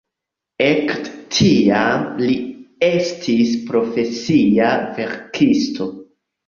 Ekde tiam li estis profesia verkisto.